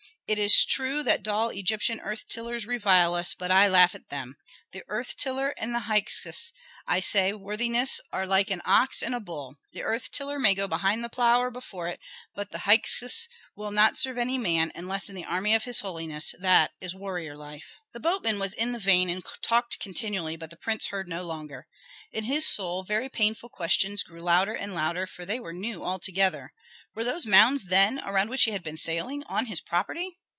It is true that dull Egyptian earth tillers revile us, but I laugh at them. The earth tillers and the Hyksos, I say, worthiness, are like an ox and a bull. The earth tiller may go behind the plough or before it, but the Hyksos will not serve any man, unless in the army of his holiness, that is warrior life." The boatman was in the vein and talked continually, but the prince heard no longer. In his soul very painful questions grew louder and louder, for they were new altogether. Were those mounds, then, around which he had been sailing, on his property?